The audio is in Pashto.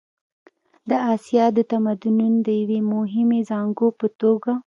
د اسیا د تمدنونو د یوې مهمې زانګو په توګه.